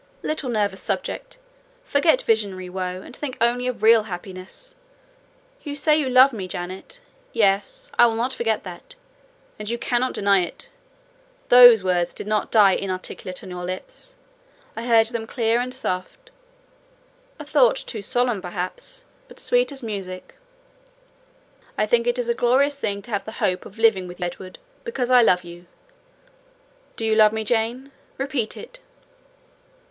Little nervous subject! Forget visionary woe, and think only of real happiness! You say you love me, Janet: yes—I will not forget that; and you cannot deny it. Those words did not die inarticulate on your lips. I heard them clear and soft: a thought too solemn perhaps, but sweet as music—'I think it is a glorious thing to have the hope of living with you, Edward, because I love you.' Do you love me, Jane?—repeat it."